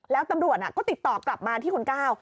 แล้วตำรวจก็ติดต่อกลับมาที่คุณก้าว